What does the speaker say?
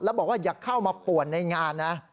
แล้วบอกว่าอย่าเข้ามาป่วนในงานนะ